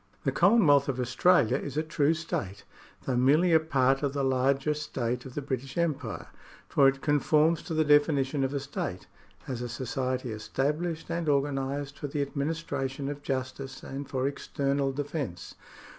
The Commonwealth of Australia is a true state, though merely a part of the larger state of the British Empire, for it conforms to the definition of a state, as a society established and organised for the administration of justice and for external defence.